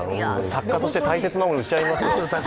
作家として、大切なものを失いますよ。